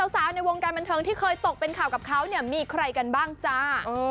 สาวในวงการบันเทิงที่เคยตกเป็นข่าวกับเขาเนี่ยมีใครกันบ้างจ้า